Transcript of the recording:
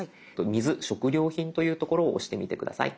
水・食料品という所を押してみて下さい。